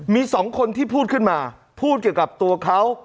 มีสองคนที่พูดขึ้นมาพูดเกี่ยวกับตัวเขา